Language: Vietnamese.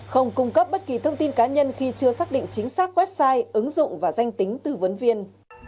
không cung cấp bất kỳ thông tin cá nhân khi chưa xác định chính xác website ứng dụng và danh tính tư vấn viên